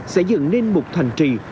sẽ dựng nên một thành trì